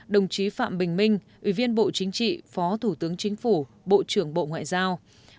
một mươi một đồng chí phạm bình minh ủy viên bộ chính trị phó thủ tướng chính phủ bộ trưởng bộ ngoại giao